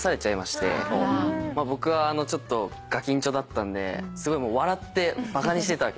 僕はちょっとがきんちょだったんですごい笑ってバカにしてたわけですよ。